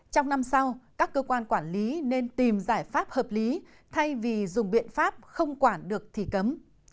trong năm sau các cơ quan quản lý nên tìm giải pháp hợp lý thay vì dùng biện pháp không quản được thì cấm